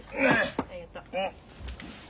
ありがとう。